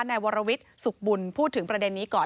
นายวรวิทย์สุขบุญพูดถึงประเด็นนี้ก่อน